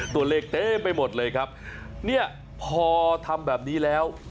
ตัวเลขเต็มไปหมดเลยครับเนี่ยพอทำแบบนี้แล้ว